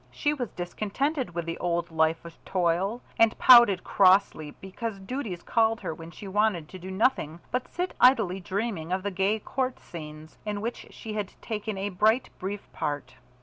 She was discontented with the old life of toil, and pouted crossly because duties called her when she wanted to do nothing but sit idly dreaming of the gay court scenes in which she had taken a bright brief part.